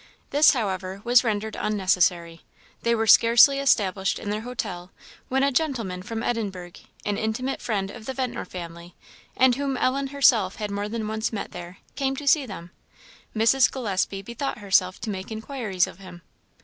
This, however, was rendered unnecessary. They were scarcely established in their hotel, when a gentleman from Edinburgh, an intimate friend of the Ventnor family, and whom Ellen herself had more than once met there, came to see them. Mrs. Gillespie bethought herself to make inquiries of him.